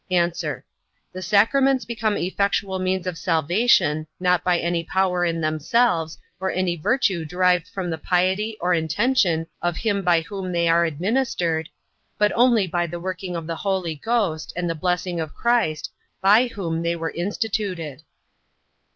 A. The sacraments become effectual means of salvation, not by any power in themselves, or any virtue derived from the piety or intention of him by whom they are administered, but only by the working of the Holy Ghost, and the blessing of Christ, by whom they are instituted.